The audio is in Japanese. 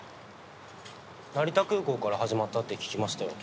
成田空港から始まったって聞きましたよ